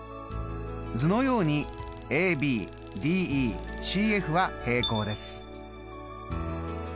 図のようにＡＢＤＥＣＦは平行です。